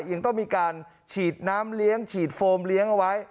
ยังต้องมีการฉีดน้ำเลี้ยงฉีดโฟมเลี้ยงเอาไว้